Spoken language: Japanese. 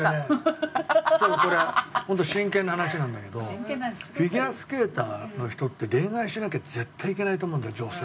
ちょっとこれ本当に真剣な話なんだけどフィギュアスケーターの人って恋愛しなきゃ絶対いけないと思うんだよ女性。